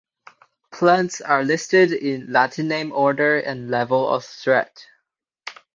Plants are listed in Latin name order and level of threat.